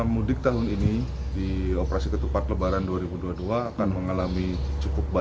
mudik tahun ini di operasi ketupat lebaran dua ribu dua puluh dua akan mengalami cukup banyak